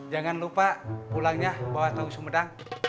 jangan lupa pulangnya bawa tahu sumedang